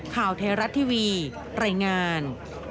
ข่าวไทยรัฐทีวีรายงาน